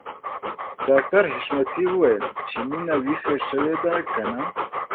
ډاکټر حشمتي وويل چې مينه ويښه شوې ده که نه